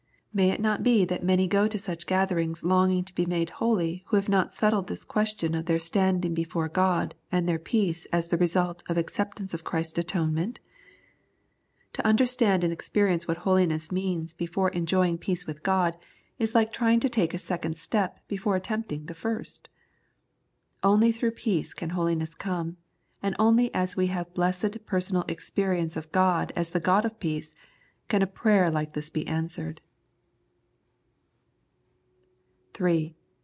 May it not be that many go to such gatherings longing to be made holy who have not settled this question of their standing before God and their peace as the result of acceptance of Christ's atonement ? To understand and experience what holiness means before enjoy 23 The Prayers of St. Paul ing peace with God is like trying to take a second step before attempting the first. Only through peace can holiness come, and only as we have blessed personal experience of God as the God of peace can a prayer like this be answered.